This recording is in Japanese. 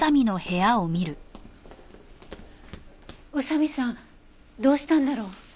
宇佐見さんどうしたんだろう？